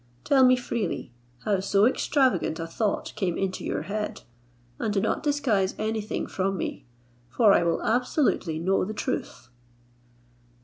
Tell me freely how so extravagant a thought came into your head, and do not disguise any thing from me, for I will absolutely know the truth."